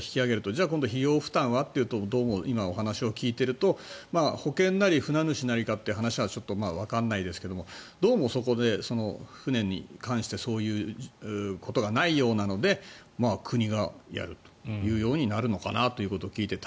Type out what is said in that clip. そうなると費用負担はというと今、お話を聞いていると保険なり、船主なりかという話はわかりませんがどうもそこで船に関してそういうことがないようなので国がやるというようになるのかなということを聞いていて。